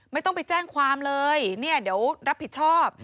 ไม่ต้องไปแจ้งความเลยเนี่ยเดี๋ยวรับผิดชอบ